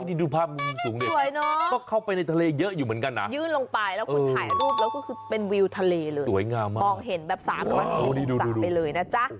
นี่ดูภาพมุมสูงเนี่ยยืนลงไปแล้วคุณถ่ายรูปแล้วคือเป็นวิวทะเลเลยบอกเห็นแบบสามมากเป็นสามไปเลยนะจ๊ะ